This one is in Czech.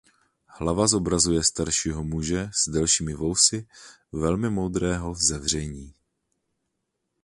Hlava zobrazuje staršího muže s delšími vousy velmi moudrého vzezření.